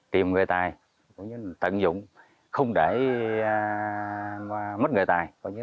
tìm người tài tận dụng không để mất người tài